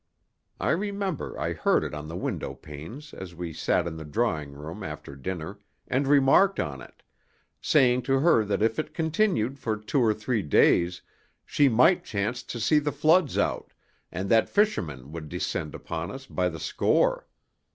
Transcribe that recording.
I remember I heard it on the window panes as we sat in the drawing room after dinner, and remarked on it, saying to her that if it continued for two or three days she might chance to see the floods out, and that fishermen would descend upon us by the score.